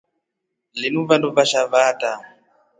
Linu vanduu vashaa vaataa.